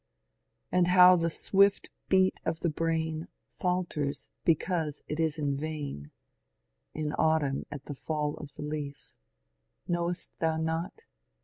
ROSSETTI'S PICTURES 131 And how the swift beat of the brain Falters because it is in rain. In Aatamn at the fall of the leaf, Knowest thou not